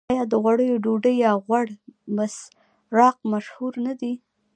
آیا د غوړیو ډوډۍ یا غوړي بسراق مشهور نه دي؟